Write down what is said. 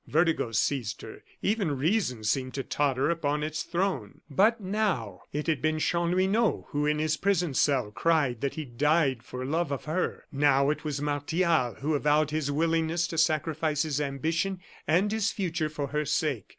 Vertigo seized her; even reason seemed to totter upon its throne. But now, it had been Chanlouineau who, in his prison cell, cried that he died for love of her. Now, it was Martial who avowed his willingness to sacrifice his ambition and his future for her sake.